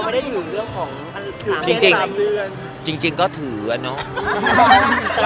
แต่ว่าพี่ชมเขาก็ได้ถือเรื่องของ๓เส้น๓เส้น